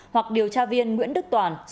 hoặc điều tra viên nguyễn đức toàn